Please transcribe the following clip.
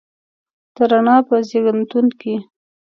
د رڼا په زیږنتون کې